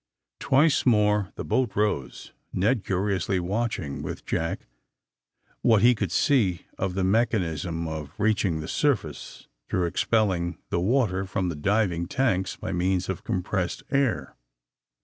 Twice more the boat rose, Ned curiously watchingj with Jack, what he could see of the mechanism of reaching the surface through ex pelling the water from the diving tanks by means of compressed air.